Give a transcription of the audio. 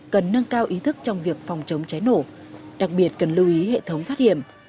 cần nâng cao ý thức trong việc phòng chống cháy nổ đặc biệt cần lưu ý hệ thống thoát hiểm